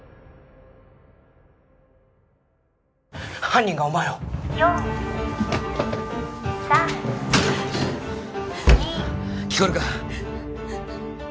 犯人がお前を４３２聞こえるか！？